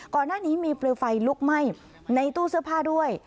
ก่อนหน้านี้มีเปลวไฟลุกไหม้ในตู้เสื้อผ้าด้วย